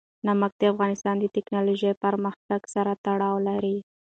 نمک د افغانستان د تکنالوژۍ پرمختګ سره تړاو لري.